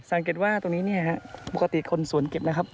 สังเกตว่าตรงนี้เนี่ยฮะปกติคนสวนเก็บนะครับ